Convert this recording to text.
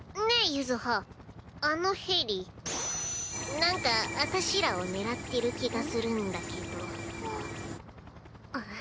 ねえ柚葉あのヘリなんか私らを狙ってる気がするんだけど。